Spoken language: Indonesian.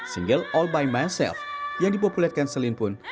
single all by myself yang dipopulerkan selin pun